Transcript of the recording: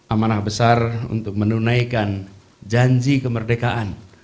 amanah besar untuk menunaikan janji kemerdekaan